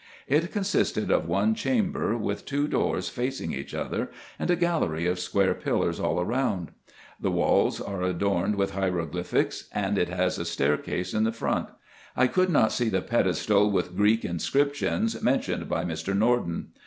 It consisted of one chamber, with two doors facing each other, and a gallery of square pillars all round. The walls are adorned with hieroglyphics, and it has a staircase in the front. I could not see the pedestal with Greek inscriptions, mentioned by Mr. Norden.